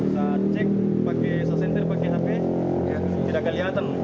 saat cek saya sentir pakai hp tidak kelihatan